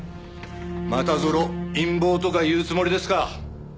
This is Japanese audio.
またぞろ陰謀とか言うつもりですか？